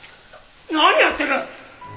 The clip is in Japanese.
何やってる！？